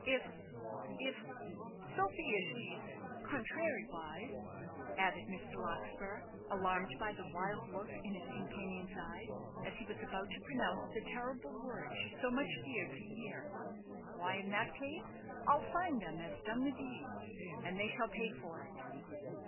If if so be as she's contrarywise," added Mr. Larkspur, alarmed by the wild look in his companion's eyes, as he was about to pronounce the terrible word she so much feared to hear, "why, in that case I'll find them as have done the deed, and they shall pay for it."